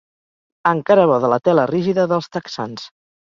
Encara bo de la tela rígida dels texans.